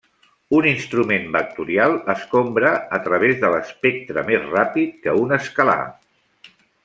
Un instrument vectorial escombra a través de l'espectre més ràpid que un escalar.